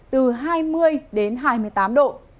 từ hai mươi đến hai mươi tám độ